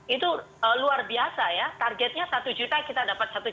itu luar biasa ya targetnya satu juta kita dapat satu juta